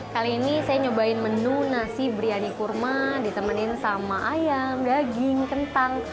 kali ini saya nyobain menu nasi biryani kurma ditemenin sama ayam daging kentang